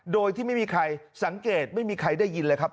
โดยที่ไม่มีใครสังเกตไม่มีใครได้ยินเลยครับ